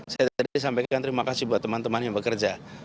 saya tadi sampaikan terima kasih buat teman teman yang bekerja